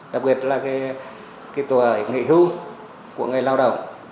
đặc biệt là cái tù ở nghị hưu của người lao động